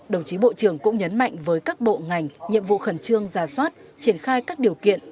đồng chí bộ trưởng cũng nhấn mạnh với các bộ ngành nhiệm vụ khẩn trương ra soát triển khai các điều kiện